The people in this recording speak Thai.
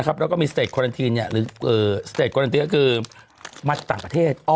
ก็มีสเตตกวาลันตินก็คือสเตตต่างประเทศ